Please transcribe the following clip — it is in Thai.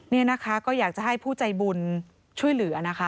นี่นะคะก็อยากจะให้ผู้ใจบุญช่วยเหลือนะคะ